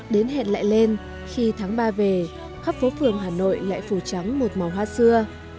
đến hẹn lại lên khi tháng ba về khắp phố phường hà nội lại phủ trắng một màu hoa xưa